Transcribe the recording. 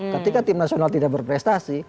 ketika tim nasional tidak berprestasi